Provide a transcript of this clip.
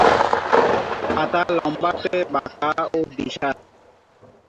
পাতা লম্বাটে বাঁকা ও দ্বিসার।